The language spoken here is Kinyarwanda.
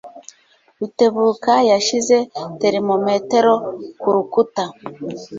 Rutebuka yashyize termometero kurukuta.